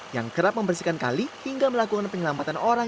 yang kerap membersihkan kali hingga melakukan penyelamatan orang